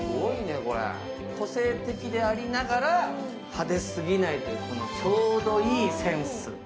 個性的でありながら派手すぎないというちょうどいいセンス。